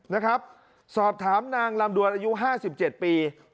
นะครับสอบถามนางลำดวนอายุห้าสิบเจ็ดปี